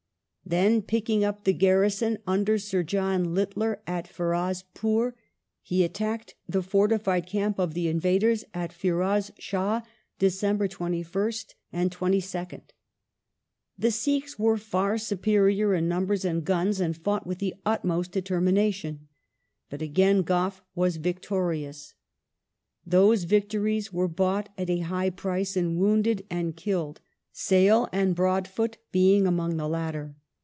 Then, picking up the garrison under Sir John Littler at Firozpur, he attacked the fortified camp of the invaders at Firozshah (Dec. 21st, 22nd). The Sikhs were far superior in numbers and guns and fought with the utmost determination. But again Gough was victorious. These victories were bought at a high price in wounded and killed, Sale and Broadfoot being among the latter.